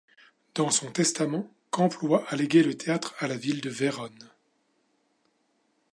Dans son testament, Camploy a légué le théâtre à la ville de Vérone.